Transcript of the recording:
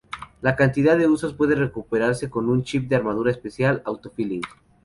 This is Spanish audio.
La cantidad de usos puede recuperarse con un chip de armadura especial "Auto-Filling".